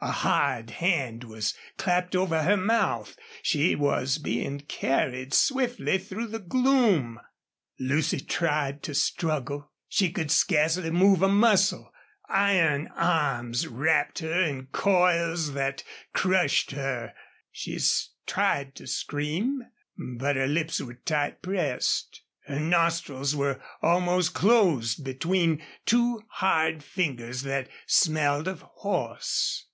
A hard hand was clapped over her mouth. She was being carried swiftly through the gloom. Lucy tried to struggle. She could scarcely move a muscle. Iron arms wrapped her in coils that crushed her. She tried to scream, but her lips were tight pressed. Her nostrils were almost closed between two hard fingers that smelled of horse.